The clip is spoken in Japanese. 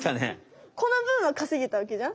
このぶんはかせげたわけじゃん。